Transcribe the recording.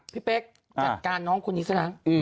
พี่เป๊กจัดการน้องคนนี้สักครั้ง